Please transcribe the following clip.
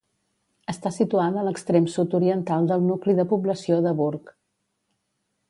Està situada a l'extrem sud-oriental del nucli de població de Burg.